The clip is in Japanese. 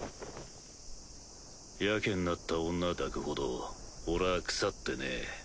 ヤケになった女抱くほど俺は腐ってねぇ。